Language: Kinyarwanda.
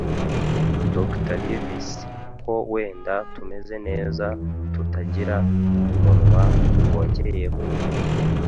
Dr. Livesey, ko wenda tumeze neza tutagira umunwa wongeyeho. ”